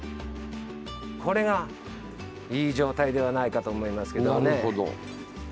これがいい状態ではないかと思いますけどね。